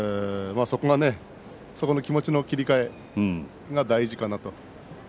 そこの気持ちの切り替えが大事かなと。